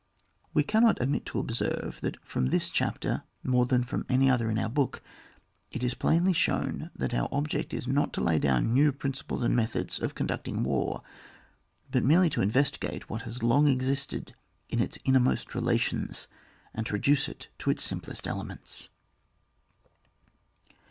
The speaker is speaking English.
We cannot omit to observe, that from this chapter, more than from any other in our book, it is plainly shown that our ob ject is not to lay down new principles and methods of conducting war, but merely to investigate what has long existed in its innermost relations, and to reduce it to its simplest elements.